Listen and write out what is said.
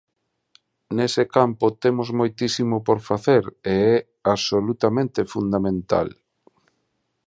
Nese campo temos moitísimo por facer e é absolutamente fundamental.